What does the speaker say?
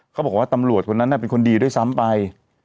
เขาบอกว่าตำรวจคนนั้นเป็นคนดีด้วยซ้ำไป